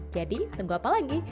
jadi tunggu apa lagi